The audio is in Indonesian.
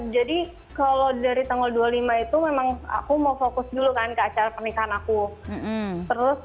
jadi kalau dari tanggal dua puluh lima itu memang aku mau fokus dulu kan ke acara pernikahan aku terus